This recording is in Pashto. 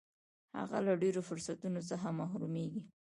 هغه له ډېرو فرصتونو څخه محرومیږي.